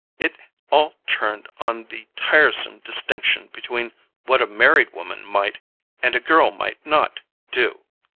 It all turned on the tiresome distinction between what a married woman might, and a girl might not, do.